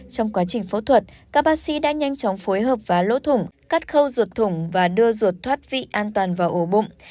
trong quá trình phẫu thuật các bác sĩ đã nhanh chóng phối hợp và lỗ thủng cắt khâu ruột thủng và đưa ruột thoát vị an toàn vào ổ bụng